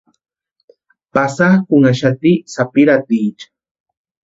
Pasakʼunhaxati sapiratiecha.